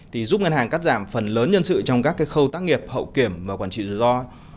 thì giúp ngân hàng cắt giảm phần lớn nhân sự trong các khâu tác nghiệp hậu kiểm và quản trị rủi ro